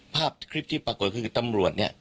ภาพคลิปที่ปรากฏคือตำรวจเนี่ย